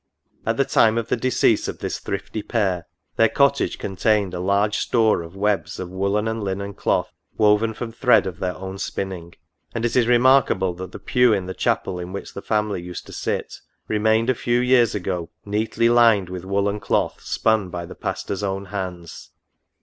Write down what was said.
At the time of the decease of this thrifty pair, their cottage contained a large store of webs of woollen and linen cloth, woven from thread of their own spinning. And it is remarkable, that the pew in the chapel in which the family used to sit, remained a few years ago neatly lined with woollen cloth spun by the pastor's own hands.